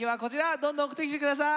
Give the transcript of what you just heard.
どんどん送ってきて下さい！